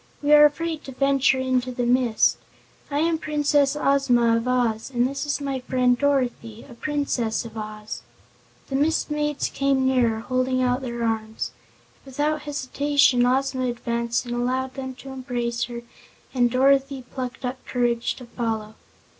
We are afraid to venture into the mist. I am Princess Ozma of Oz, and this is my friend Dorothy, a Princess of Oz." The Mist Maids came nearer, holding out their arms. Without hesitation Ozma advanced and allowed them to embrace her and Dorothy plucked up courage to follow.